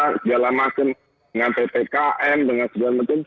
segala macam dengan ppkm dengan segala macam